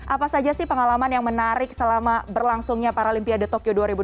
apa saja sih pengalaman yang menarik selama berlangsungnya paralimpiade tokyo dua ribu dua puluh